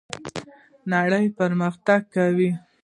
نړۍ پرمختګ کوي